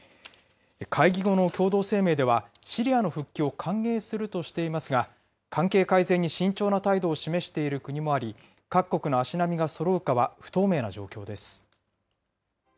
会議後の共同声明では、シリアの復帰を歓迎するとしていますが、関係改善に慎重な態度を示している国もあり、各国の足並みがそろうかは不透明な状況です。